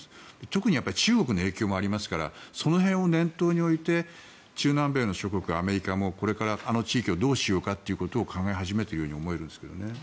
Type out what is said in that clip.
特に中国の影響もありますからその辺を念頭に置いて中南米諸国アメリカもこれからあの地域をどうしようかということを考え始めているように思うんですよね。